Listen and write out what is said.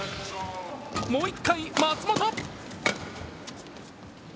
もう１回、松本。